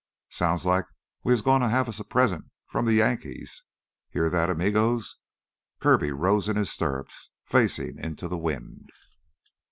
"Sounds like we is gonna have us a present from the Yankees. Hear that, amigos?" Kirby rose in his stirrups, facing into the wind.